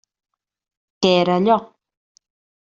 Què era allò?